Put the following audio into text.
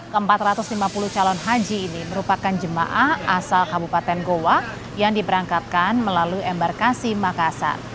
ke empat ratus lima puluh calon haji ini merupakan jemaah asal kabupaten goa yang diberangkatkan melalui embarkasi makassar